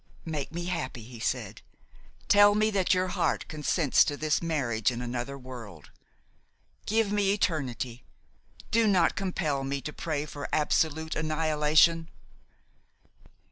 "Make me happy," he said; "tell me that your heart consents to this marriage in another world. Give me eternity; do not compel me to pray for absolute annihilation."